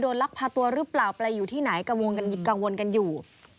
ลักพาตัวหรือเปล่าไปอยู่ที่ไหนกังวลกันอยู่